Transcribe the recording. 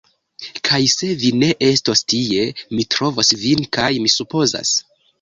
Kaj se vi ne estos tie, mi trovos vin kaj mi supozas